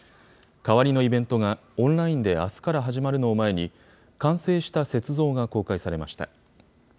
代わりのイベントがオンラインであすから始まるのを前に、完成した雪像が公開されました。